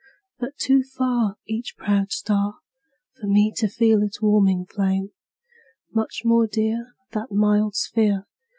But too far Each proud star, For me to feel its warming flame; Much more dear That mild sphere.